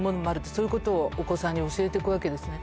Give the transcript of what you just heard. そういうことをお子さんに教えていくわけですね。